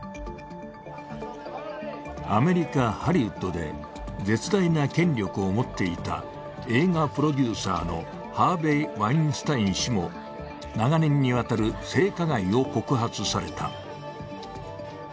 アメリカ・ハリウッドで絶大な権力を持っていた映画プロデューサーのハーヴェイ・ワインスタイン氏も長年にわたる性加害を告発された。